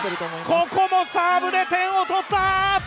ここもサーブで点を取った！